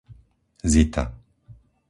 Zita